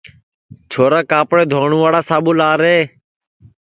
چھورا کاپڑے دھونواڑا ساٻو لارے